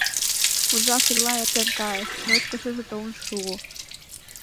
Уржа-сорла эртен кайыш, ночко шыже толын шуо.